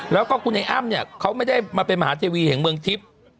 แล้วก็คุณไอ้อ้ำเนี่ยเขาไม่ได้มาเป็นมหาเทวีแห่งเมืองทิพย์